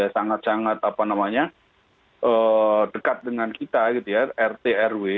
sangat sangat dekat dengan kita rt rw